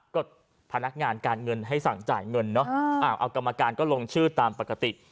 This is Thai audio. ก็พนักงานการเงินให้สั่งจ่ายเงินเนอะเอากรรมการก็ลงชื่อตามปกติ